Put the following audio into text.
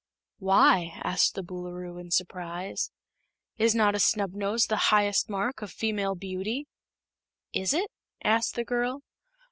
"Why?" asked the Boolooroo, in surprise. "Is not a snubnose the highest mark of female beauty?" "Is it?" asked the girl.